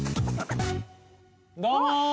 どうも！